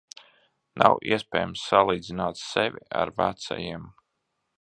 Nav iespējams salīdzināt sevi ar vecajiem.